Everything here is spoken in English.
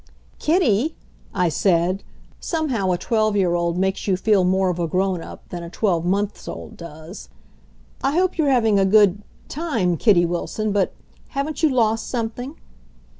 "Kitty," I said somehow a twelve year old makes you feel more of a grown up than a twelve months old does "I hope you're having a good time, Kitty Wilson, but haven't you lost something?"